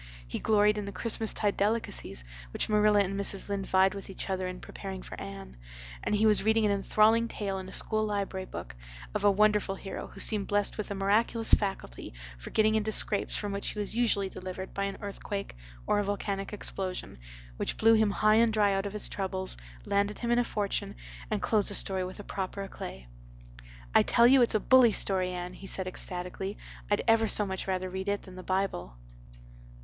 He gloried in the Christmas tide delicacies which Marilla and Mrs. Lynde vied with each other in preparing for Anne, and he was reading an enthralling tale, in a school library book, of a wonderful hero who seemed blessed with a miraculous faculty for getting into scrapes from which he was usually delivered by an earthquake or a volcanic explosion, which blew him high and dry out of his troubles, landed him in a fortune, and closed the story with proper éclat. "I tell you it's a bully story, Anne," he said ecstatically. "I'd ever so much rather read it than the Bible."